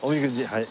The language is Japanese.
はい。